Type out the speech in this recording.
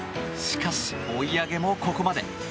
しかし、追い上げもここまで。